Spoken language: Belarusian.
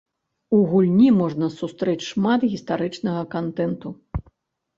У гульні можна сустрэць шмат гістарычнага кантэнту.